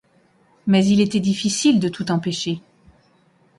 Mais il était difficile de tout empêcher.